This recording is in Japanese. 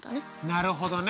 なるほどね。